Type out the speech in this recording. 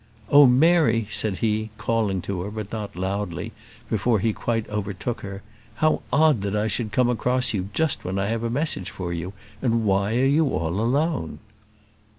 "Oh, Mary!" said he, calling to her, but not loudly, before he quite overtook her, "how odd that I should come across you just when I have a message for you! and why are you all alone?"